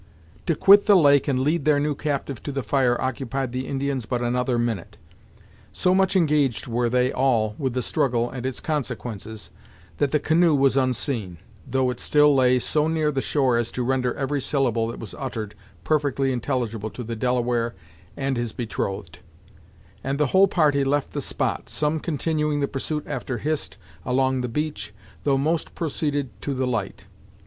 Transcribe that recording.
To quit the lake and lead their new captive to the fire occupied the Indians but another minute. So much engaged were they all with the struggle and its consequences, that the canoe was unseen, though it still lay so near the shore as to render every syllable that was uttered perfectly intelligible to the Delaware and his betrothed; and the whole party left the spot, some continuing the pursuit after Hist, along the beach, though most proceeded to the light.